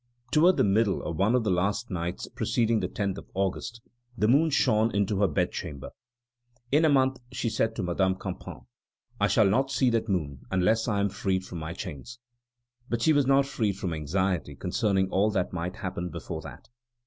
Toward the middle of one of the last nights preceding the 10th of August, the moon shone into her bedchamber. "In a month," she said to Madame Campan, "I shall not see that moon unless I am freed from my chains." But she was not free from anxiety concerning all that might happen before that.